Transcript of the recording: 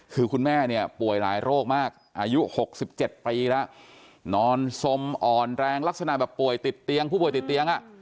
คุณแม่ป่วยหลายโรคมากอายุหกสิบเจ็ดปีแล้วนอนสมอ่อนแรงลักษณะแบบผู้ป่วยติดเตียง